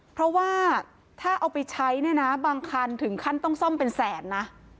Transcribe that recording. เพราะว่าถ้าเอาไปใช้เนี่ยนะบางคันถึงขั้นต้องซ่อมเป็นแสนนะ